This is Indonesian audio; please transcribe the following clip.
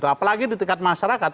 apalagi di tingkat masyarakat